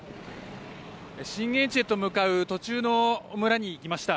震源地へと向かう途中の村に来ました。